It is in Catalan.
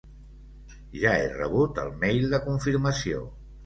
Ja he rebut el mail de confirmació.